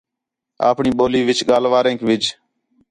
آپݨی ٻولی وِچ ڳالھ وارینک وِڄ